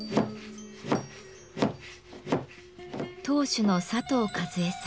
当主の佐藤和衛さん。